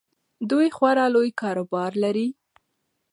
دوی خورا لوی کاروبار لري.